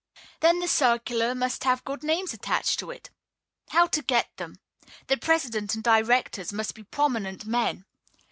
Then the circular must have good names attached to it. How to get them? The president and directors must be prominent men.